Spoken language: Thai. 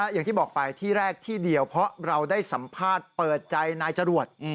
อย่างที่บอกไปที่แรกที่เดียวเพราะเราได้สัมภาษณ์เปิดใจนายจรวด